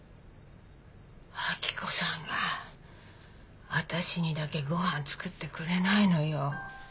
明子さんが私にだけご飯作ってくれないのよ。